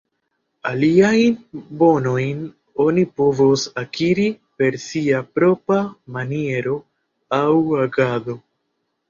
Aliajn bonojn oni povos akiri per sia propra maniero aŭ agado.